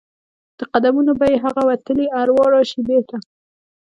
د قدمونو به یې هغه وتلي اروا راشي بیرته؟